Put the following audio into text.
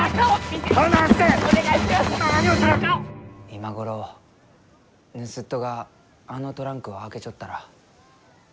今頃ぬすっとがあのトランクを開けちょったら。